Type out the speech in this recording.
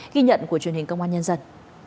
ghi nhận của truyền hình công an nhân dân